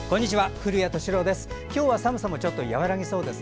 古谷敏郎です。